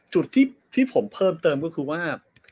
จุดที่ผมเพิ่มเติมก็คือว่า